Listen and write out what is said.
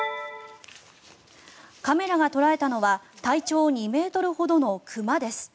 カメラが捉えたのは体長２ｍほどの熊です。